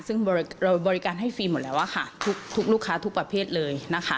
ซึ่งเราบริการให้ฟรีหมดแล้วค่ะทุกลูกค้าทุกประเภทเลยนะคะ